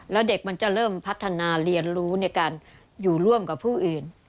แล้วเด็กมันจะเริ่มพัฒนาเรียนรู้ในการอยู่ร่วมกับผู้อื่น